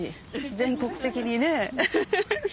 全国的にね。